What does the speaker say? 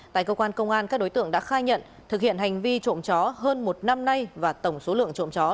tại cơ quan công an các đối tượng đã khai nhận thực hiện hành vi trộm chó hơn một năm nay và tổng số lượng trộm chó